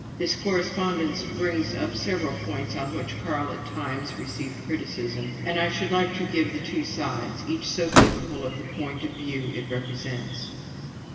This correspondence brings up several points on which Carl at times received criticism, and I should like to give the two sides, each so typical of the point of view it represents.